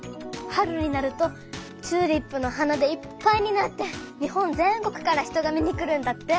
春になるとチューリップの花でいっぱいになって日本全国から人が見に来るんだって。